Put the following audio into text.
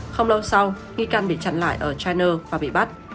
không lâu sau nghi can bị chặn lại ở chiner và bị bắt